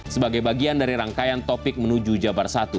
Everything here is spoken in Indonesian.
sebagai bagian dari rangkaian topik menunjukkan orang lain di arena pilkada